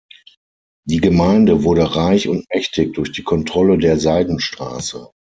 Die Gemeinde wurde reich und mächtig durch die Kontrolle der Seidenstraße.